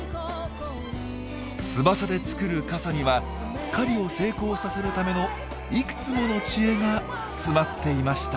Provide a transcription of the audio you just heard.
翼で作る傘には狩りを成功させるためのいくつもの知恵が詰まっていました。